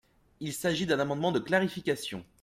Il s’agit d’un amendement de clarification.